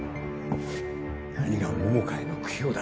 何が桃花への供養だ！？